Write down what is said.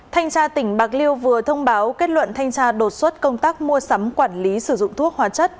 thanh tra tỉnh bạc liêu vừa thông báo kết luận thanh tra đột xuất công tác mua sắm quản lý sử dụng thuốc hóa chất